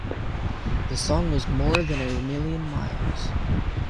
The song was "More than a Million Miles".